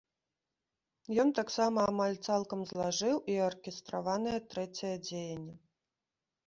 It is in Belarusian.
Ён таксама амаль цалкам злажыў і аркестраванае трэцяе дзеянне.